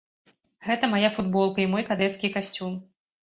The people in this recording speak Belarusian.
Гэта мая футболка і мой кадэцкі касцюм.